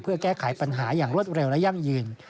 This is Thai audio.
เพื่อแก้ไขปัญหาอย่างรวดเร็วและยั่งยืน